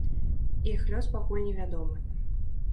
Іх лёс пакуль невядомы.